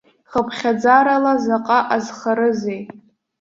Хыԥхьаӡарала заҟа азхарызеи?